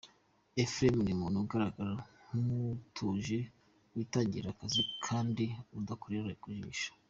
Ephrem ni umuntu ugaragara nk’utuje, witangira akazi kandi udakorera ku jisho.